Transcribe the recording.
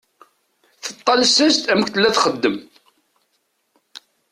Tattales-as-d amek tella txeddem.